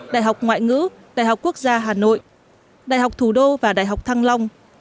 đại học ngoại ngữ đại học quốc gia hà nội đại học thủ đô và đại học thăng long